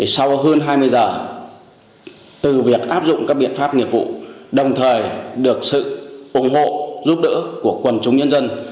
sau hơn hai mươi giờ từ việc áp dụng các biện pháp nghiệp vụ đồng thời được sự ủng hộ giúp đỡ của quần chúng nhân dân